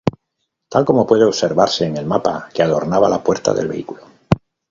Tal como puede observarse en el mapa que adornaba la puerta del vehículo.